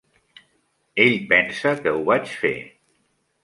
Ell pensa que ho vaig fer.